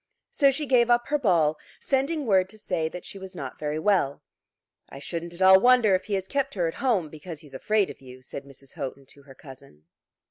So she gave up her ball, sending word to say that she was not very well. "I shouldn't at all wonder if he has kept her at home because he's afraid of you," said Mrs. Houghton to her cousin.